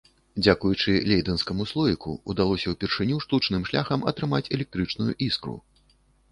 Дзякуючы лейдэнскаму слоіку ўдалося ўпершыню штучным шляхам атрымаць электрычную іскру.